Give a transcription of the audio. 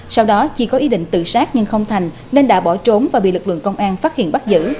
sau đó chi có ý định tự sát nhưng không thành nên đã bỏ trốn và bị lực lượng công an phát hiện bắt giữ